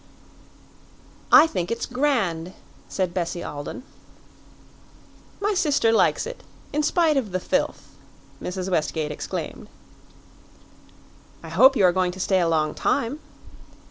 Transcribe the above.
"I think it's grand," said Bessie Alden. "My sister likes it, in spite of the 'filth'!" Mrs. Westgate exclaimed. "I hope you are going to stay a long time."